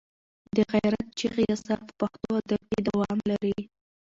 د غیرت چغې اثر په پښتو ادب کې دوام لري.